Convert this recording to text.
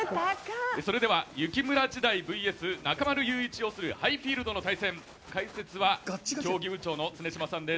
それでは、雪村時代ＶＳ中丸雄一擁するＨｉ−Ｆｉｅｌｄの対戦、解説は、競技部長の常島さんです。